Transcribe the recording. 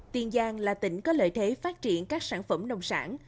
tiền giang là tỉnh có lợi thế phát triển các sản phẩm nông sản